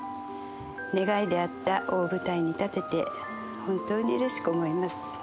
願いであった大舞台に立てて、本当にうれしく思います。